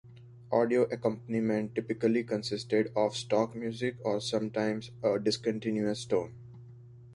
Audio accompaniment typically consisted of stock music or sometimes a discontinuous tone.